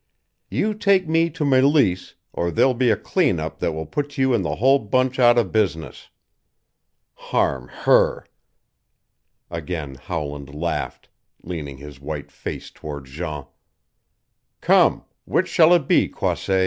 You take me to Meleese or there'll be a clean up that will put you and the whole bunch out of business. Harm her " Again Howland laughed, leaning his white face toward Jean. "Come, which shall it be, Croisset?"